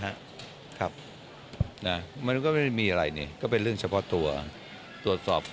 ครับนะมันก็ไม่ได้มีอะไรนี่ก็เป็นเรื่องเฉพาะตัวตรวจสอบ